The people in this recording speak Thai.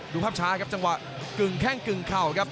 ดูภาพช้าครับจังหวะกึ่งแข้งกึ่งเข่าครับ